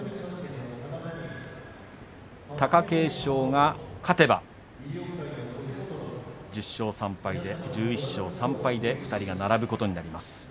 貴景勝が勝てば１１勝３敗で２人が並ぶことになります。